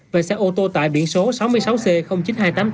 và xe ô tô tại biển số sáu mươi sáu c chín nghìn hai trăm tám mươi tám